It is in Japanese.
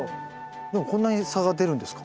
でもこんなに差が出るんですか？